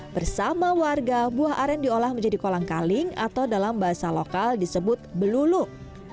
bersama warga buah aren diolah menjadi kolang kaling atau dalam bahasa lokal disebut beluluk